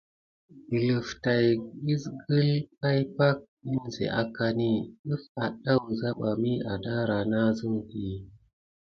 Delva tät kisgəl pay pak kinze akani def adà wuza bà mi adara nasum di.